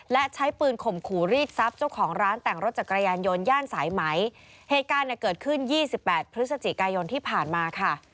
และใช้ปืนข่มขู่รีดทรัพย์เจ้าของร้านแต่งรถจักรยานยนต์ย่านสายไหมเหตุการณ์เนี่ยเกิดขึ้นยี่สิบแปดพฤศจิกายนที่ผ่านมาค่ะ